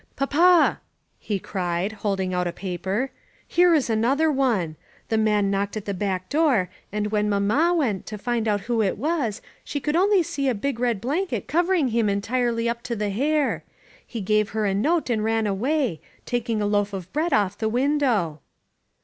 "Papa!" he cried, holding out a paper. "Here is another one ! The man knocked at the back door, and when Mamma went to find out who it was she could only see a big red blanket covering him entirely up to the hair. He gave her a note and ran away, taking a loaf of bread off the window."